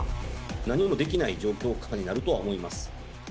何もできない状況下になるとは思います。